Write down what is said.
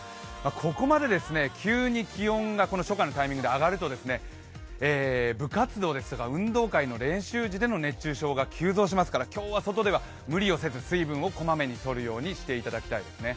ここまで急に気温が初夏のタイミングで上がると部活動ですとか運動会の練習時での熱中症が急増しますから、今日は外では無理をせず水分を小まめに取るようにしていただきたいですね。